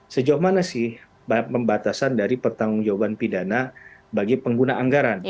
sejauh mana sih pembatasan dari pertanggung jawaban pidana bagi pengguna anggaran